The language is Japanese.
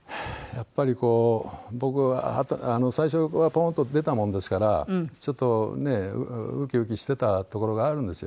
やっぱりこう僕最初の頃はポーンと出たものですからちょっとウキウキしてたところがあるんですよ。